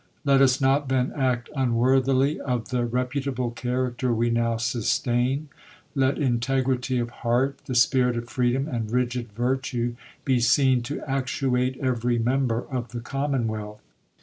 Let us not then act unworthily of the reputable character we now sustain. Let integrity of heart, the^spirit of freedom, and rigid virtue be seen to actuate every member of the commonwealth.